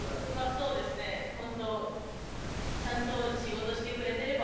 そうですねちゃんと仕事してくれてれば